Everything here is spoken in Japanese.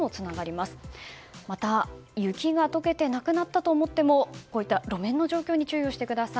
また、雪が解けてなくなったと思ってもこういった路面の状況に注意をしてください。